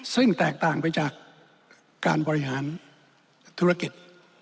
ซึ่งแตกต่างไปจากการบริหารธุรกิจ